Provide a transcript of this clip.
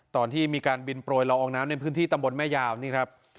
ตอนที่มีการบินโปรยละอองน้ำในพื้นที่ตำบลแม่ยาวนี่ครับ